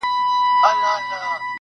چي سیالي وي د قلم خو نه د تورو,